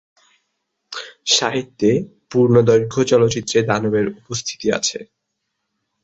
সাহিত্যে, পূর্ণদৈর্ঘ্য চলচ্চিত্রে দানবের উপস্থিতি আছে।